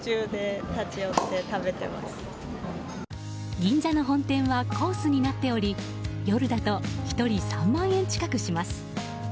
銀座の本店はコースになっており夜だと、１人３万円近くします。